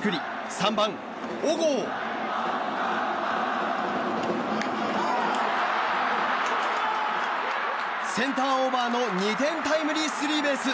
３番、小郷、センターオーバーの２点タイムリースリーベース。